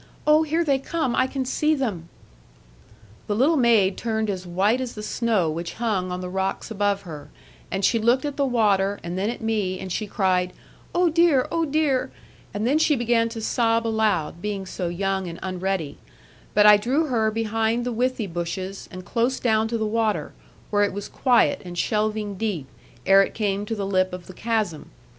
Oh, here they come, I can see them.' The little maid turned as white as the snow which hung on the rocks above her, and she looked at the water and then at me, and she cried, 'Oh dear! oh dear!' And then she began to sob aloud, being so young and unready. But I drew her behind the withy bushes, and close down to the water, where it was quiet and shelving deep, ere it came to the lip of the chasm.